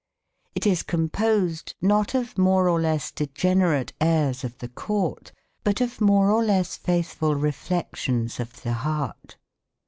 It is composed not of more or less degenerate airs of the court, but of more or less faithful reflections of the heart.